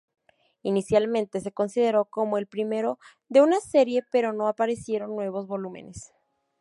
Inicialmente se consideró como el primero de una serie, pero no aparecieron nuevos volúmenes.